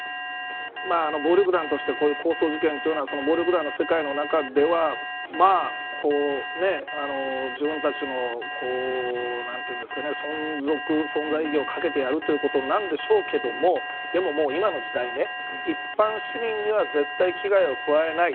暴力団としてこういう抗争事件というのは暴力団の世界の中では自分たちの存在意義をかけてやるということなんでしょうけれどもでももう、今の時代一般市民には絶対危害を加えない。